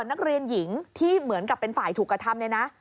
นักเรียนหญิงที่เหมือนกับเป็นฝ่ายถูกกระทำเนี่ยนะ